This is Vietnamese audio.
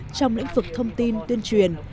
trong lĩnh vực thông tin tuyên truyền